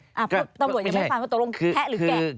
เพราะตำรวจยังไม่ฟังว่าตกลงแคะหรือแกะ